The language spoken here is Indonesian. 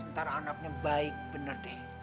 ntar anaknya baik bener deh